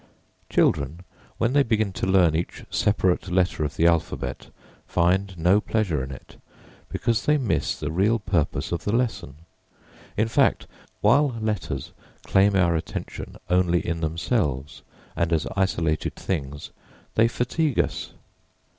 Children, when they begin to learn each separate letter of the alphabet, find no pleasure in it, because they miss the real purpose of the lesson; in fact, while letters claim our attention only in themselves and as isolated things, they fatigue us.